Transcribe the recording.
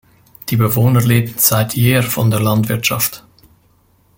Die Bewohner lebten seit jeher von der Landwirtschaft.